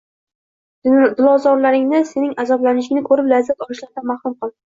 Dilozorlaringni sening azoblanishingni ko‘rib lazzat olishlaridan mahrum qil.